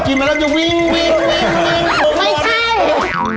รสวิ้งนะก็ทำให้แบบกินมาแล้วจะวิ้งวิ้งวิ้ง